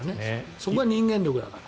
それが人間力だから。